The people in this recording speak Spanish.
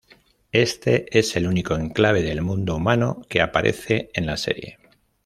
Éste es el único enclave del mundo humano que aparece en la serie.